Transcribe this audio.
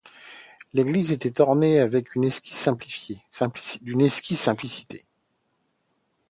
L'église était ornée avec une exquise simplicité.